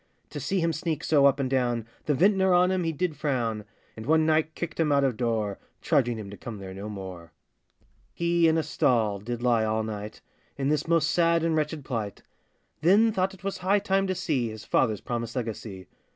To see him sneak so up and down, The vintner on him he did frown; And one night kicked him out of door, Charging him to come there no more. He in a stall did lie all night, In this most sad and wretched plight; Then thought it was high time to see His father's promised legacy.